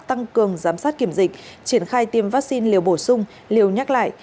tăng cường giám sát kiểm dịch triển khai tiêm vaccine liều bổ sung liều nhắc lại